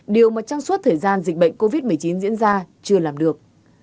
điều mà trong suốt thời gian dịch bệnh covid một mươi chín diễn ra chưa làm được